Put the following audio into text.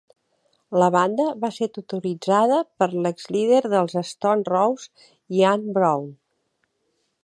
La banda va ser tutoritzada per l'exlíder dels Stone Roses, Ian Brown.